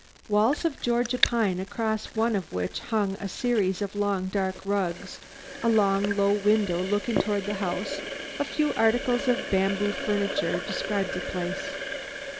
Walls of Georgia pine across one of which hung a series of long dark rugs; a long, low window looking toward the house, a few articles of bamboo furniture describe the place.